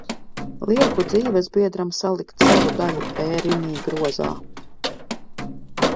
Lieku dzīvesbiedram salikt savu daļu e-rimi grozā.